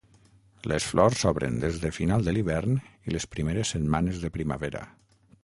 Les flors s'obren des de final de l'hivern i les primeres setmanes de primavera.